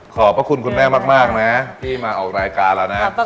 โดนขึ้นหน่อยดูซื้อกระดาษ